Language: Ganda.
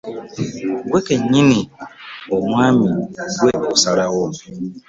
Ggwe kennyini omwami ggwe osalawo.